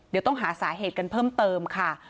เดี๋ยวต้องหาสาเหตุกันเพิ่มเติมค่ะ